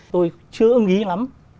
tôi chưa nghĩ lắm